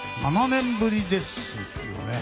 ７年ぶりですよね。